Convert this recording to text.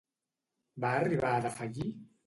Va arribar a defallir?